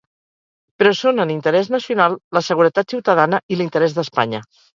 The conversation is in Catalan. Però són en interès nacional, la seguretat ciutadana i l’interès d’Espanya.